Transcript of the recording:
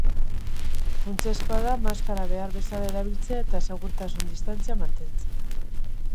Funtsezkoa da maskara behar bezala erabiltzea eta segurtasun-distantzia mantentzea.